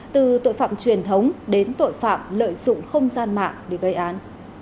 từ tội phạm truyền thống đến tội phạm lợi dụng không gian mạng để gây án